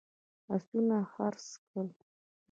آسونه خرڅ کړل.